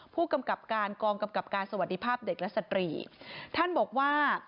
ผู้กำกับการกองกำกับการสวัสดีภาพเด็กและสตรีท่านบอกว่า